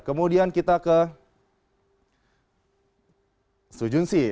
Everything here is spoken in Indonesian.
kemudian kita ke su jun si